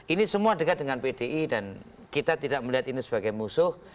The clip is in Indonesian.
ini semua dekat dengan pdi dan kita tidak melihat ini sebagai musuh